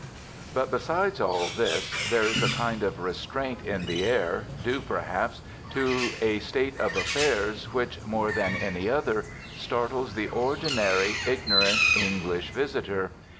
But besides all this there is a kind of restraint in the air, due, perhaps, to a state of affairs which, more than any other, startles the ordinary ignorant English visitor.